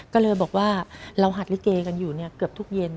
ก็เลยบอกว่าเราหัดลิเกกันอยู่เนี่ยเกือบทุกเย็น